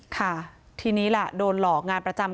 ค่ะทีนี้ล่ะโดนหลอกงานประจำ